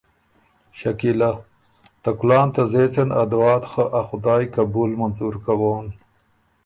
شکیلۀ: ته کلان ته زېڅن ا دُعات خه ا خدای قبول منظور کوون